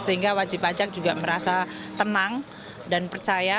sehingga wajib pajak juga merasa tenang dan percaya